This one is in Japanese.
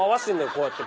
こうやって。